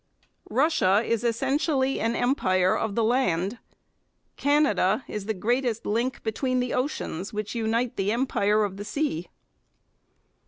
Russia is essentially an empire of the land. Canada is the greatest link between the oceans which unite the Empire of the Sea.